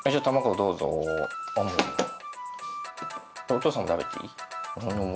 お父さんも食べていい？